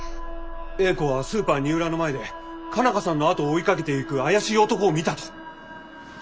英子はスーパー二浦の前で佳奈花さんの後を追いかけていく怪しい男を見たと。